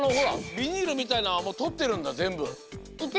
ビニールみたいなんはもうとってるんだぜんぶ。